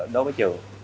đối với trường